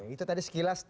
itu tadi sekilas